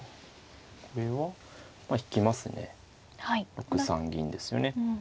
６三銀ですよね。